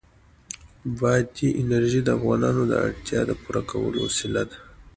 بادي انرژي د افغانانو د اړتیاوو د پوره کولو وسیله ده.